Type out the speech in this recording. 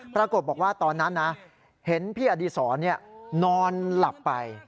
ปรากฏว่าตอนนั้นนะเห็นพี่อดีศรนอนหลับไป